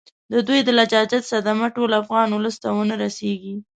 د دوی د لجاجت صدمه ټول افغان اولس ته ونه رسیږي.